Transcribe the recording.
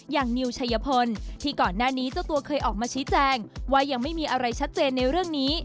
นิวชัยพลที่ก่อนหน้านี้เจ้าตัวเคยออกมาชี้แจงว่ายังไม่มีอะไรชัดเจนในเรื่องนี้